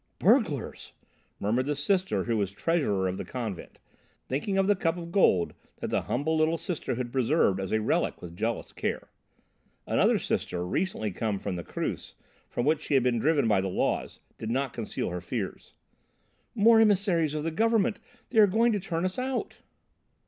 "Burglars!" murmured the Sister who was treasurer of the convent, thinking of the cup of gold that the humble little sisterhood preserved as a relic with jealous care. Another Sister, recently come from the creuse, from which she had been driven by the laws, did not conceal her fears. "More emissaries of the government! They are going to turn us out!"